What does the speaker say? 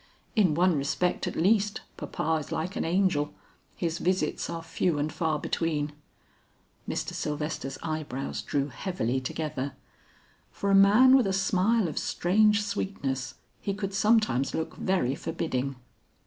"In one respect at least, papa is like an angel, his visits are few and far between." Mr. Sylvester's eye brows drew heavily together. For a man with a smile of strange sweetness, he could sometimes look very forbidding.